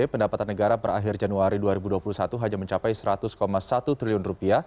pendapatan negara per akhir januari dua ribu dua puluh satu hanya mencapai rp seratus satu triliun